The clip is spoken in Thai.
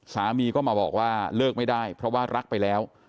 สามีก็มาบอกว่าเลิกไม่ได้เพราะว่ารักไปแล้ว